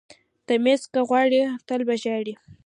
ـ تميز که غواړئ تل به ژاړئ.